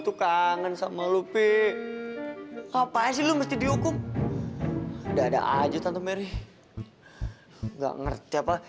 tuh kangen sama lupi apaan sih lu mesti dihukum dada aja tante mary nggak ngerti apa